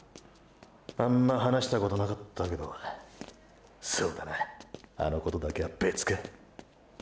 あんま話したことなかったけどそうだなあのことだけは別か！！